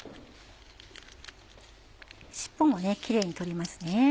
尻尾もキレイに取りますね。